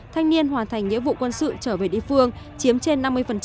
thanh niên hoàn thành nghĩa vụ quân sự trở về địa phương chiếm trên năm mươi